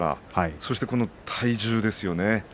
そしてこの体重ですよね。